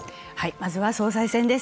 まずは総裁選です。